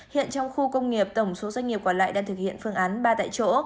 hiện trong khu công nghiệp tổng số doanh nghiệp còn lại đang thực hiện phương án ba tại chỗ